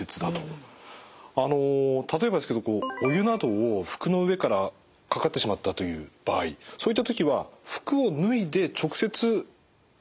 あの例えばですけどお湯などを服の上からかかってしまったという場合そういった時は服を脱いで直接水を当てた方がいいんでしょうか？